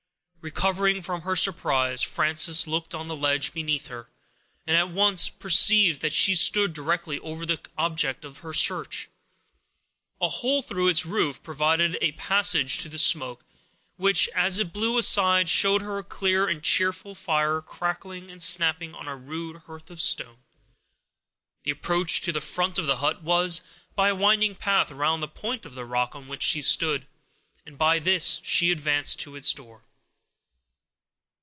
Recovering from her surprise, Frances looked on the ledge beneath her, and at once perceived that she stood directly over the object of her search. A hole through its roof afforded a passage to the smoke, which, as it blew aside, showed her a clear and cheerful fire crackling and snapping on a rude hearth of stone. The approach to the front of the hut was by a winding path around the point of the rock on which she stood, and by this, she advanced to its door.